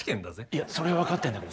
いやそれは分かってるんだけどさ。